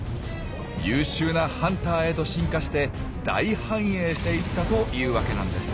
優秀なハンターへと進化して大繁栄していったというわけなんです。